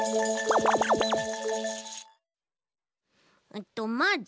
えっとまず。